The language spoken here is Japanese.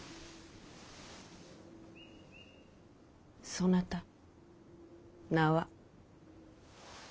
そなた名は？